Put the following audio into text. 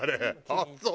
ああそう。